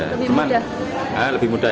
untuk pelayanan juga lebih mudah